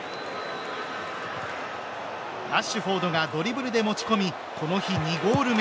ラッシュフォードがドリブルで持ち込みこの日、２ゴール目。